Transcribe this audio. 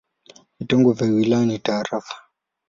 Vitengo vya wilaya ni tarafa.